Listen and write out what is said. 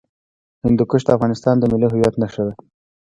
هندوکش د افغانستان د ملي هویت نښه ده.